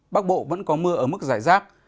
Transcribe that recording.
bắc bộ vẫn có mưa ở mức giải rác